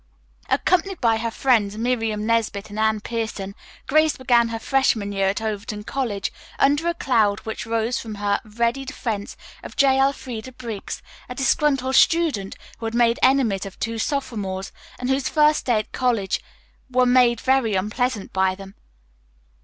Accompanied by her friends, Miriam Nesbit and Anne Pierson, Grace began her freshman year at Overton College under a cloud which rose from her ready defense of J. Elfreda Briggs, a disgruntled student who had made enemies of two sophomores, and whose first days at college were made very unpleasant by them.